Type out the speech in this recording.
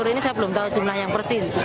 ini saya belum tahu jumlah yang persis